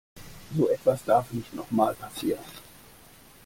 So etwas darf nicht noch mal passieren.